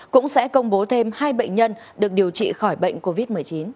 cũng sẽ công bố thêm hai bệnh nhân được điều trị khỏi bệnh covid một mươi chín